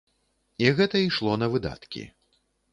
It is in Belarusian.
І гэта ішло на выдаткі.